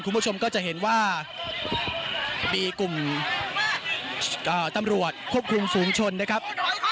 คุณผู้ชมก็จะเห็นว่ามีกลุ่มตำรวจควบคุมฝูงชนนะครับ